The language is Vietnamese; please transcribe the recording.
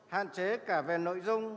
hạn chế cả về nội dung